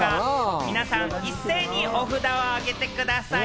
皆さん一斉にお札を上げてください。